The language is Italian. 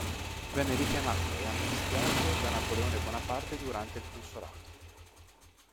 Venne richiamato e amnistiato da Napoleone Bonaparte durante il Consolato.